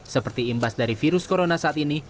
seperti imbas dari virus corona saat ini